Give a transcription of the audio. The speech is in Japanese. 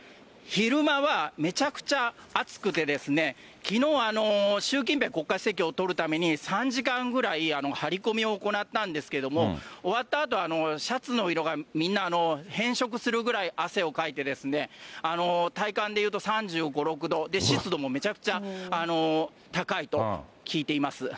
昼間はめちゃくちゃ暑くて、きのう、習近平国家主席を撮るために、３時間ぐらい張り込みを行ったんですけれども、終わったあと、シャツの色がみんな変色するぐらい汗をかいてですね、体感でいうと３５、６度、湿度もめちゃくちゃ高いと聞いています。